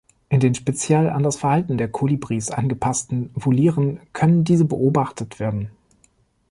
In den speziell an das Verhalten der Kolibris angepassten Volieren können diese beobachtet werden.